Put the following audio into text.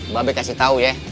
babi kasih tau ya